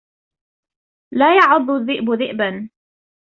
لا يعض الذئب ذئبًا.